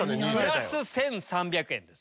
プラス１３００円です。